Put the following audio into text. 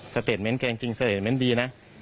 สเตตเม้นต์แกจริงสเตตเม้นต์ดี